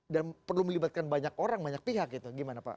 dan perlu melibatkan banyak orang banyak pihak gitu gimana pak